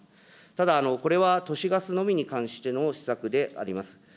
ただ、これは都市ガスのみに関しての施策であります。